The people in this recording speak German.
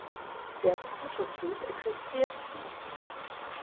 Der Prototyp existiert noch.